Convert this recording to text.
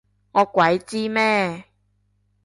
我鬼知咩？